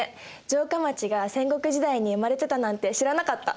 城下町が戦国時代に生まれてたなんて知らなかった。